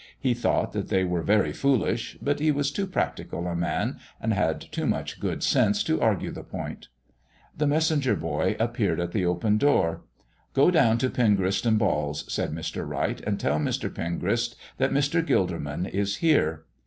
He thought that they were very foolish, but he was too practical a man and had too much good sense to argue the point. The messenger boy appeared at the open door. "Go down to Pengrist & Ball's," said Mr. Wright, "and tell Mr. Pengrist that Mr. Gilderman is here."